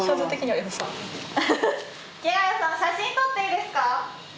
アハハ池谷さん写真撮っていいですか？